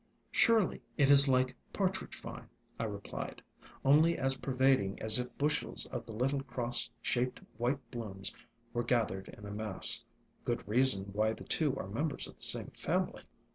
"Surely it is like Partridge Vine," I replied; "only as pervading as if bushels of the little cross shaped white blooms were gathered in a mass. Good reason why — the two are members of the same family."